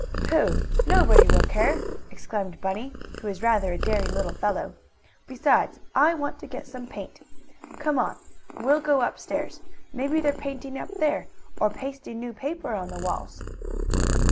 "Pooh! Nobody will care!" exclaimed Bunny, who was rather a daring little fellow. "Besides, I want to get some paint. Come on, we'll go upstairs. Maybe they're painting up there, or pasting new paper on the walls."